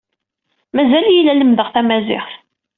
Mazal-iyi la lemmdeɣ tamaziɣt.